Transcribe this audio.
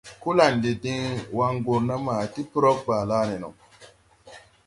Kolandi din wan gurna ma ti prog Balané no.